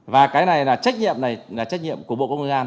và cái này là trách nhiệm của bộ công an